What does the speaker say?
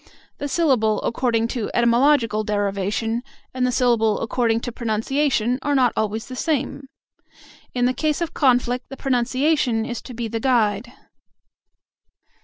The syllable according to etymological derivation, and the syllable according to pronunciation, are not always the same. In case of conflict the pronunciation is to be the guide.